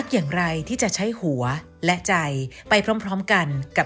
สวัสดีค่ะ